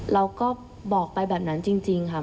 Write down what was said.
เราก็บอกไปแบบนั้นจริงค่ะ